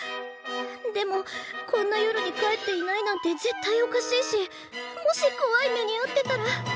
でもこんな夜に帰っていないなんて絶対おかしいしもしこわい目にあってたら。